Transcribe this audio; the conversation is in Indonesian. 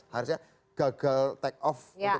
harusnya gagal take off